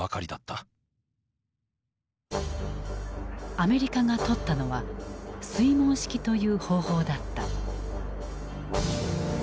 アメリカがとったのは水門式という方法だった。